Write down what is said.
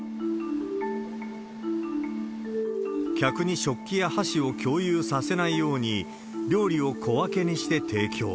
客に食器や箸を共有させないように、料理を小分けにして提供。